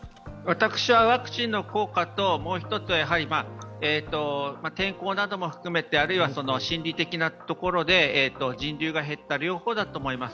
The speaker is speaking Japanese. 私は、ワクチンの効果ともう一つやはり天候なども含めてあるいは心理的なところで人流が減った、両方だと思います。